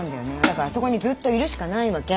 だからあそこにずっといるしかないわけ。